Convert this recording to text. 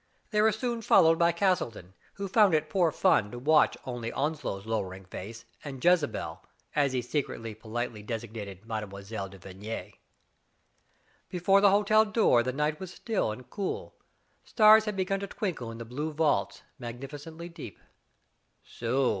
They were soon followed by Castle ton, who found it poor fun to watch only On slow's lowering face, and Jezebel, as he secretly politely designated Mme. de Vigny. Before the hotel door the night was still and cool; stars had begun to twinkle in the "blue vaults, magnificently deep."